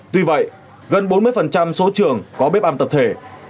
tuy vậy gần bốn mươi số trường có bếp ăn tập thể